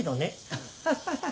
アッハハハ。